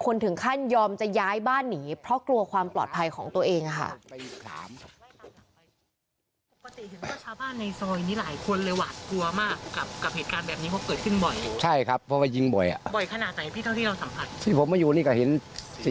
กกสิเที่ยวก็เห็นว่าชาวบ้านในซอยนี่หลายคนเลยหวาดกลัวมากกับเหตุการณ์แบบนี้ก็เกิดขึ้นบ่อย